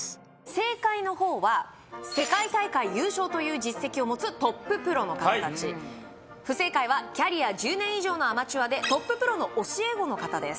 正解のほうは世界大会優勝という実績を持つトッププロの方たち不正解はキャリア１０年以上のアマチュアでトッププロの教え子の方です